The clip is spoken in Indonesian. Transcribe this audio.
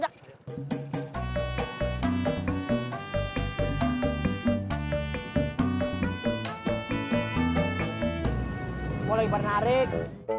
semua lagi bernarik